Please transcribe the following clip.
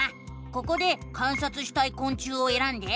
ここで観察したいこん虫をえらんで。